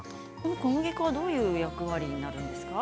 小麦粉はどういう役割になるんですか？